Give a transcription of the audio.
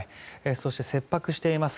そして切迫しています。